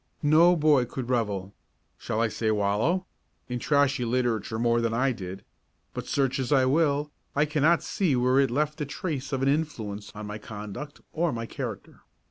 No boy could revel shall I say wallow? in trashy literature more than I did; but search as I will, I cannot see where it left a trace of an influence on my conduct or my character.